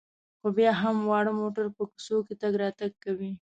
خو بیا هم واړه موټر په کوڅو کې تګ راتګ کوي.